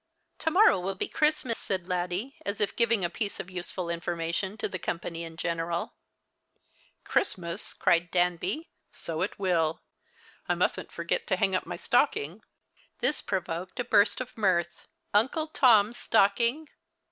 " To morrow will be Christmas," said Laddie, as if gi\ing a piece of useful information to the company in general. " Christmas !" cried Danby ;" so it will. I mustn't forget to hang up my stocking." This provoked a burst of mirth. Uncle Tom's stock ing